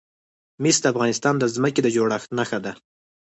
مس د افغانستان د ځمکې د جوړښت نښه ده.